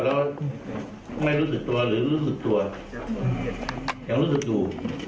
แล้วไม่รู้สึกตัวหรือรู้สึกตัวยังรู้สึกอยู่